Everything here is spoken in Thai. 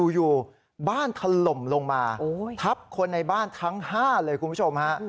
อยู่บ้านถล่มลงมาทับคนในบ้านทั้ง๕เลยคุณผู้ชมฮะ